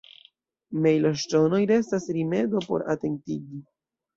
Mejloŝtonoj restas rimedo por atentigi.